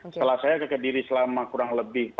setelah saya kekediri selama kurang lebih